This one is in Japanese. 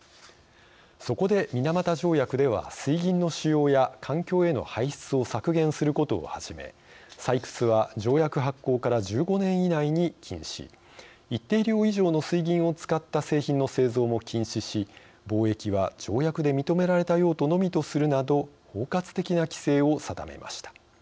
そこで、水俣条約では水銀の使用や環境への排出を削減することをはじめ採掘は条約発効から１５年以内に禁止一定量以上の水銀を使った製品の製造も禁止し貿易は条約で認められた用途のみとするなど包括的な規制を定めました。